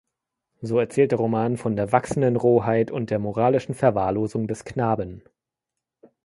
So erzählt der Roman von der wachsenden Rohheit und der moralischen Verwahrlosung des Knaben.